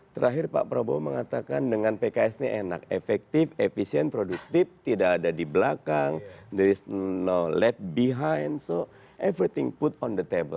terakhir pak prabowo mengatakan dengan pks ini enak efektif efisien produktif tidak ada di belakang this ⁇ no lab behind so everything put on the table